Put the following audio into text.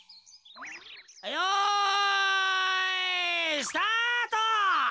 よいスタート！